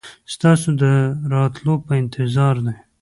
ستاسو د راتلو په انتظار دي.